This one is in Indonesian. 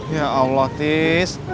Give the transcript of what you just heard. ya allah tis